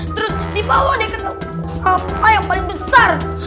terus dibawa deh ketemu sampah yang paling besar